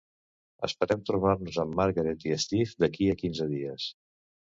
Esperem trobar-nos amb Margaret i Steve d'aquí a quinze dies.